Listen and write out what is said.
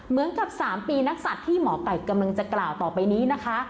เหมือนกับ๓ปีนักศัตริย์ที่หมอไก่กำลังจะกล่าวต่อไปนี้นะคะ